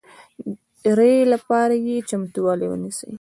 ري لپاره یې چمتوالی ونیسئ